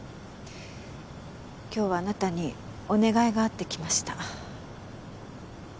今日はあなたにお願いがあって来ました。